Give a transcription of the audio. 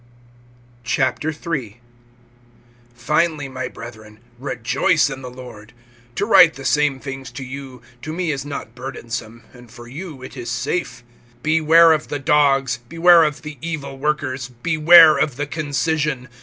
III. FINALLY, my brethren, rejoice in the Lord. To write the same things to you, to me is not burdensome, and for you it is safe. (2)Beware of the dogs, beware of the evil workers, beware of the concision.